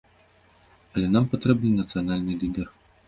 Але нам патрэбны нацыянальны лідар.